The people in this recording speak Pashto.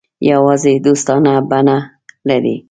یوازې دوستانه بڼه لري.